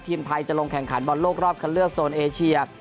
ทีมไทยจะลงแข่งขันบอลโลกรอบคันเลือกโซนเอเชีย